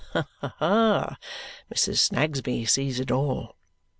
Ha, ha! Mrs. Snagsby sees it all.